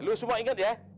eh lu semua inget ya